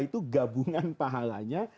itu gabungan pahalanya